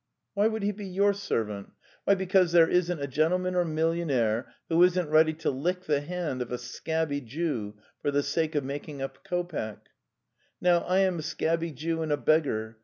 'Why would he be your servant?" 'Why, because there) isn't a gentlemanor millionaire who isn't ready to lick the hand of a scabby Jew for the sake of making a kopeck. Now, I am a scabby Jew and a beggar.